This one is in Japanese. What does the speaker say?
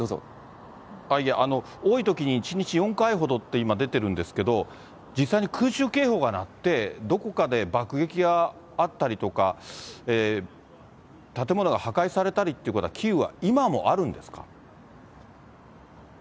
はい、多いときに１日４回ほどって今、出てるんですけど、実際に空襲警報が鳴って、どこかで爆撃があったりとか、建物が破壊されたりってことは、キーウは今もあるんですか。